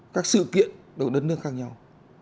các sự kiện ở đất nước khác nhau